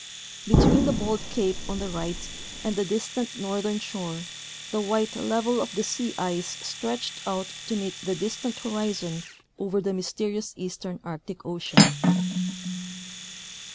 Between the bold cape on the right and the distant northern shore the white level of the sea ice stretched out to meet the distant horizon over the mj^'sterious eastern Arctic ocean."